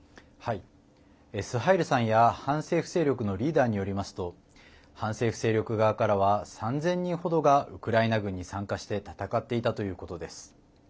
スハイルさんや、反政府勢力のリーダーによりますと反政府勢力側からは３０００人ほどがウクライナ軍に参加して戦っていたということです。